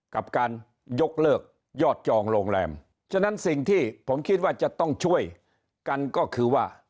กับการยกเลิกยอดจองโรงแรมฉะนั้นสิ่งที่ผมคิดว่าจะต้องช่วยกันก็คือว่า